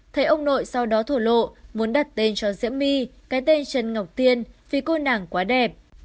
thấy ông nội sau đó thổ lộ muốn đặt tên cho diễm my cái tên trần ngọc tiên vì cô nàng quá đẹp